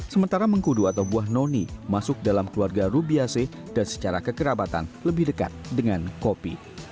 sementara mengkudu atau buah noni masuk dalam keluarga rubiase dan secara kekerabatan lebih dekat dengan kopi